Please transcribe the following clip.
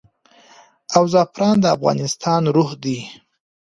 او زعفران د افغانستان روح دی.